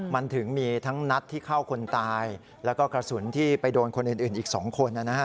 มันถึงมีทั้งนัดที่เข้าคนตายแล้วก็กระสุนที่ไปโดนคนอื่นอีก๒คน